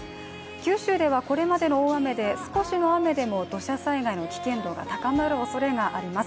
九州ではこれまでの大雨で少しの雨でも土砂災害の危険度が高まるおそれがあります。